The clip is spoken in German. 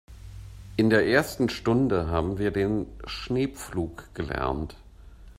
In der ersten Stunde haben wir den Schneepflug gelernt.